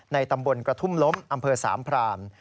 ตำบลกระทุ่มล้มอำเภอสามพราม